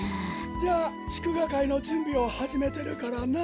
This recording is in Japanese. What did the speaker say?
じゃあしゅくがかいのじゅんびをはじめてるからなっ！